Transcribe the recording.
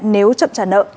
nếu chậm chậm